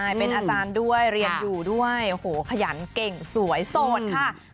ใช่เป็นอาจารย์ด้วยเรียนอยู่ด้วยโอ้โหขยันเก่งสวยโสดค่ะ